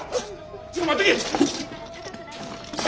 ちょっと待っとけ！